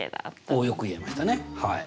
およく言えましたねはい。